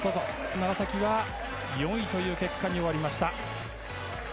楢崎は４位という結果に終わりました。